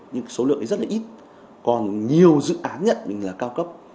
nhưng số lượng rất ít còn nhiều dự án nhận là cao cấp